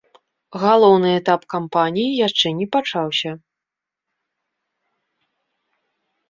Галоўны этап кампаніі яшчэ не пачаўся.